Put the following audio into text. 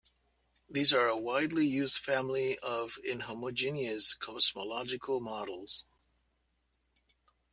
These are a widely used family of inhomogeneous cosmological models.